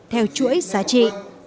theo chuỗi giá trị